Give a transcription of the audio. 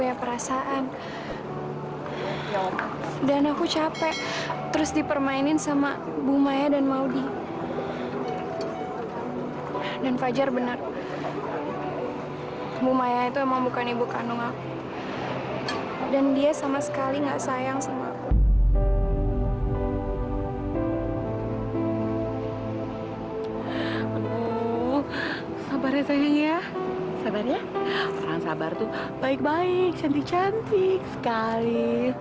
yea sabar ya sabar baik baik cantik cantik sekali